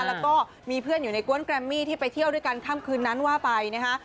แล้วก็มีเพื่อนอยู่ในกวนแกรมมี่ที่ไปเที่ยวด้วยกันค่ำคืนนั้นว่าไปนะฮะ